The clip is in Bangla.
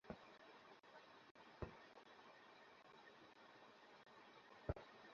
তোমার বাবা আমাকে এই দ্বীপে আনতে বলেছিল?